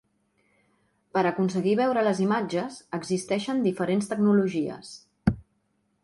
Per aconseguir veure les imatges existeixen diferents tecnologies.